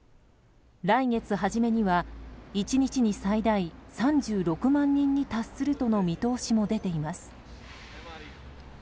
来月初めには１日に最大３６万人に達するとの見通しも出ています。